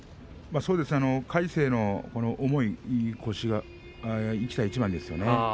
魁聖の重い腰が生きた一番ですよね。